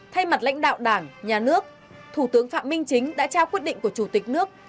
thay mặt lãnh đạo đảng nhà nước thủ tướng phạm minh chính đã trao quyết định của chủ tịch nước